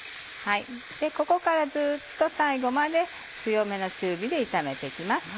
ここからずっと最後まで強めの中火で炒めて行きます。